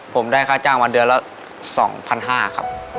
ผมได้ค่าจ้างมาเดือนละสองพันห้าครับ